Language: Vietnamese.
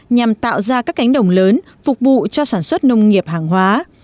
nhằm tạo ra các cánh đồng lớn phục vụ cho sản xuất nông nghiệp hàng hóa